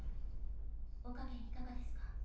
お加減いかがですか？